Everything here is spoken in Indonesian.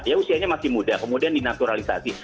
dia usianya masih muda kemudian dinaturalisasi